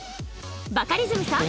バカリズムさん